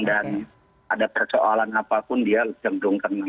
dan ada persoalan apapun dia cenderung tenang